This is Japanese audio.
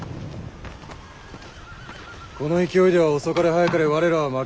この勢いでは遅かれ早かれ我らは負ける。